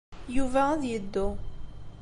Yuba ad yeddu.